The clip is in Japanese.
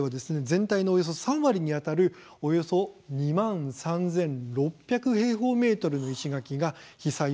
全体のおよそ３割にあたるおよそ２万３６００平方メートルの石垣が被災をしたんですね。